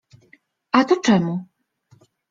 A to czemu?